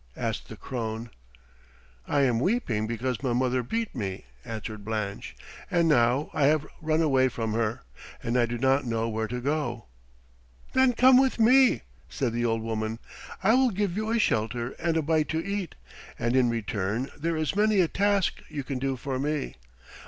asked the crone. "I am weeping because my mother beat me," answered Blanche; "and now I have run away from her, and I do not know where to go." "Then come with me," said the old woman. "I will give you a shelter and a bite to eat, and in return there is many a task you can do for me.